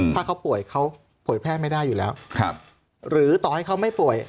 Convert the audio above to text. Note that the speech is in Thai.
ถ้าเขาป่วยเขาเผยแพร่ไม่ได้อยู่แล้วหรือต่อให้เขาไม่ป่วย